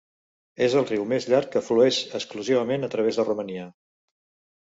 És el riu més llarg que flueix exclusivament a través de Romania.